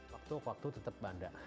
waktu waktu tetap panda